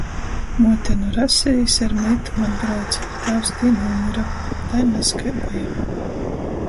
Muote nu Rasejis ar meitom atbrauce, tāvs tī numyra. Tai nazkai beja.